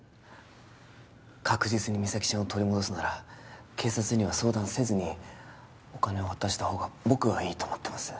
確実に実咲ちゃんを取り戻すなら警察には相談せずにお金を渡したほうが僕はいいと思ってます